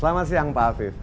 selamat siang pak afif